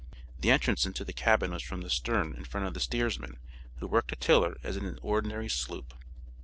The entrance into the cabin was from the stern in front of the steersman, who worked a tiller as in an ordinary sloop.